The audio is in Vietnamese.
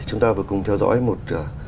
chúng ta vừa cùng theo dõi một